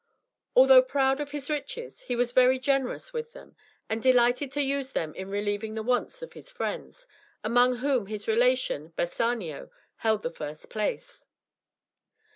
Although proud of his riches, he was very generous with them, and delighted to use them in relieving the wants of his friends, among whom his relation, Bassanio, held the first place.